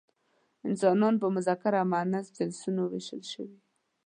انسانان په مذکر او مؤنث جنسونو ویشل شوي.